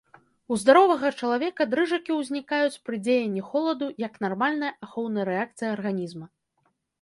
У здаровага чалавека дрыжыкі ўзнікаюць пры дзеянні холаду як нармальная ахоўная рэакцыя арганізма.